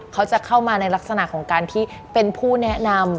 เขาจะเข้ามาในลักษณะของการที่เป็นผู้แนะนำ